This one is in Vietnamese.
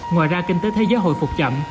ngoài ra kinh tế thế giới hồi phục chậm